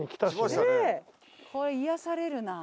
これ癒やされるなあ。